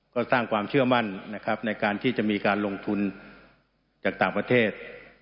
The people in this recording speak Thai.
ก็สร้างความเชื่อมั่นนะครับในการที่จะมีการลงทุนจากต่างประเทศ